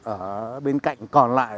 ở bên cạnh còn lại